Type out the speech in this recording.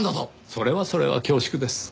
それはそれは恐縮です。